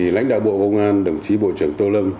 lãnh đạo bộ công an đồng chí bộ trưởng tô lâm